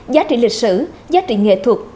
giá trị lịch sử giá trị nghệ thuật